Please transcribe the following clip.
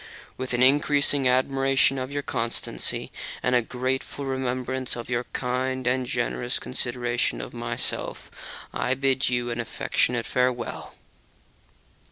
With an increasing admiration of your constancy and devotion to your country, and a grateful remembrance of your kind and generous consideration of myself, I bid you an affectionate farewell.